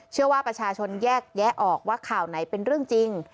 เชื่อว่าประชาชนแยกแยะออกว่าข่าวไหนเป็นเรื่องจริง